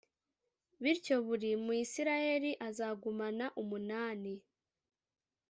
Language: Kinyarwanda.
bityo buri muyisraheli azagumana umunani